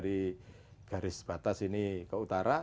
dari garis batas ini ke utara